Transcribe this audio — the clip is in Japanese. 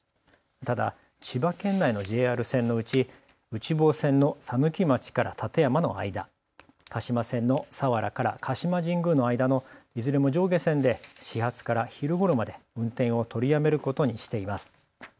ただ千葉県内のＪＲ線のうち、内房線の佐貫町から館山の間、鹿島線の佐原から鹿島神宮の間のいずれも上下線で始発から昼ごろまで運転を取りやめることにしています。